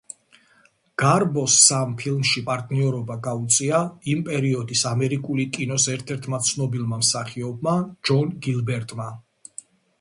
გარბოს სამ ფილმში პარტნიორობა გაუწია იმ პერიოდის ამერიკული კინოს ერთ-ერთმა ცნობილმა მსახიობმა ჯონ გილბერტმა.